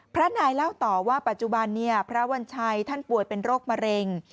พระนายเล่าต่อว่าปัจจุบันนี้พระวัญชัยท่านป่วยเป็นโรคมะเร็ง